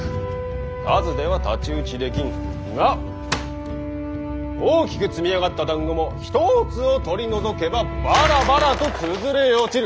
数では太刀打ちできん。が大きく積み上がっただんごも一つを取り除けばばらばらと崩れ落ちる。